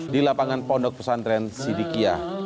di lapangan pondok pesantren sidikiah